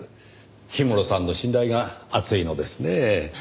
氷室さんの信頼があついのですねぇ。